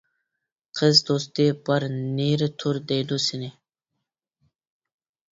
قىز دوستى بار، نېرى تۇر دەيدۇ سېنى!